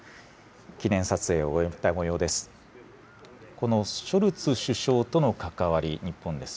記念撮影を終えたもようです。